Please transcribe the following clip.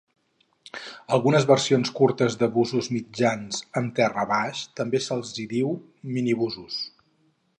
Algunes versions curtes de busos mitjans amb terra baix també se'ls hi diu minibusos.